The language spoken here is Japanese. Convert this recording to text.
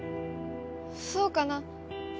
そうかな？